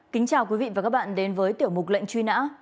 kính chào quý vị và các bạn đến với tiểu mục lệnh truy nã